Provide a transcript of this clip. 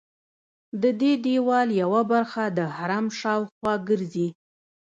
ددې دیوال یوه برخه د حرم شاوخوا ګرځي.